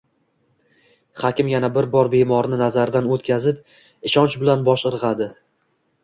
Hakim yana bir bor bemorni nazardan o`tkazib, ishnch bilan bosh irg`adi